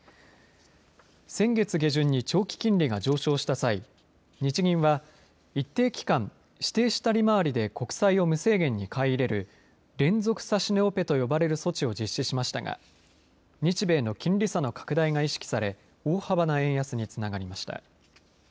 先月下旬に長期金利が上昇した際日銀は一定期間指定した利回りで国債を無制限に買い入れる連続指値オペと呼ばれる措置を実施しましたが日米の金利差の拡大が意識され大幅な円安につながりました。